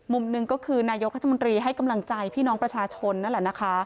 มุมหนึ่งก็คือนายกรัฐมนตรีให้กำลังใจพี่น้องประชาชนนั่นแหละนะคะ